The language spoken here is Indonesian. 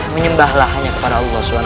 menyembahlah hanya kepada allah swt